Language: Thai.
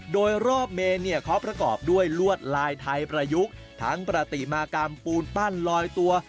โดยรอบเมนเนี่ยเขาประกอบด้วยลวดลายไทยประยุกต์ทั้งประติมากรรมปูนปั้นลอยตัว